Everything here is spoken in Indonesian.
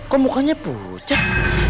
kok mukanya pucat